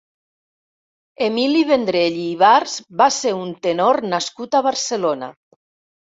Emili Vendrell i Ibars va ser un tenor nascut a Barcelona.